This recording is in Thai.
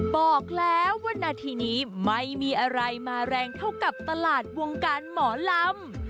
บอกแล้วว่านาทีนี้ไม่มีอะไรมาแรงเท่ากับตลาดวงการหมอลำ